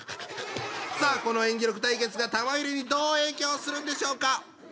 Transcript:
さあこの演技力対決が玉入れにどう影響するんでしょうか？